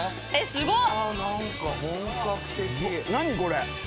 すごっ。